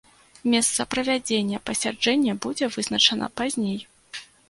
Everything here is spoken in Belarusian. Месца правядзення пасяджэння будзе вызначана пазней.